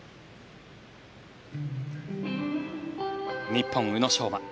日本、宇野昌磨